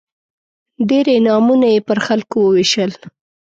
ډېر انعامونه یې پر خلکو ووېشل.